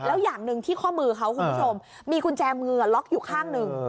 แล้วอย่างหนึ่งที่ข้อมือเขาคุณผู้ชมมีกุญแจมือล็อกอยู่ข้างหนึ่ง